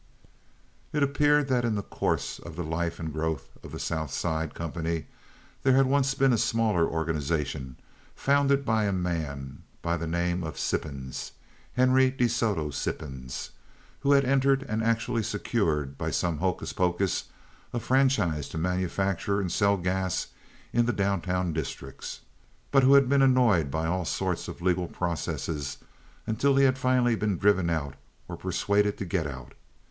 It appeared that in the course of the life and growth of the South Side company there had once been a smaller organization founded by a man by the name of Sippens—Henry De Soto Sippens—who had entered and actually secured, by some hocus pocus, a franchise to manufacture and sell gas in the down town districts, but who had been annoyed by all sorts of legal processes until he had finally been driven out or persuaded to get out.